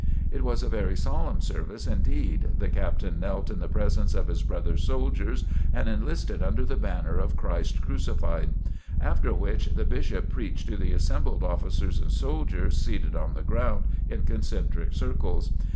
It was a very solemn service indeed. The Captain knelt in the presence of his brother soldiers and enlisted under the banner of Christ Crucified. After which the Bishop preached to the assembled officers and soldiers seated on the ground in concentric circles.